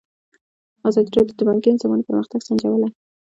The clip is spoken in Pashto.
ازادي راډیو د بانکي نظام پرمختګ سنجولی.